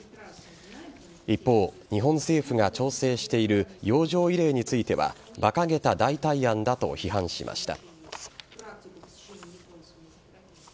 一方、日本政府が調整している洋上慰霊についてはばかげた代替案だと批判しました。